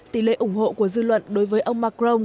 tỷ lệ ủng hộ của dư luận đối với ông macron